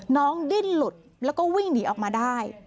ดิ้นหลุดแล้วก็วิ่งหนีออกมาได้